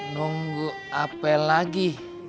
nunggu apa lagi